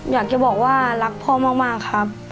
อยากจะบอกว่ารักพ่อมากครับ